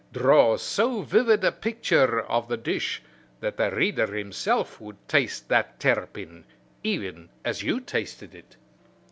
"Draw so vivid a picture of the dish that the reader himself would taste that terrapin even as you tasted it."